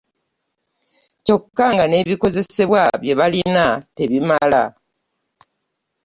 Kyokka nga n'ebikozesebwa bye balina tebimala.